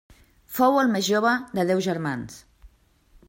Fou el més jove de deu germans.